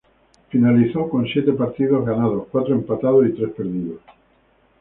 Finalizó con siete partidos ganados, cuatro empatados y tres perdidos.